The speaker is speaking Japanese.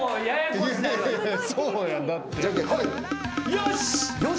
よし！